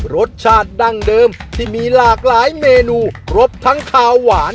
รสชาติดั้งเดิมที่มีหลากหลายเมนูครบทั้งขาวหวาน